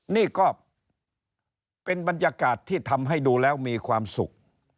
นี่ก็เป็นบรรยากาศที่ทำให้ดูแล้วมีความสุข